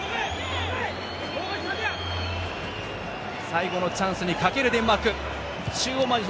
最後のチャンスにかけるデンマーク。